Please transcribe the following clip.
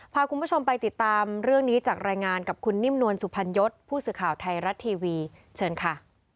พาคุณผู้ชมไปติดตามเรื่องนี้จากรายงานกับคุณนิ่มนวลสุพรรณยศผู้สื่อข่าวไทยรัฐทีวีเชิญค่ะ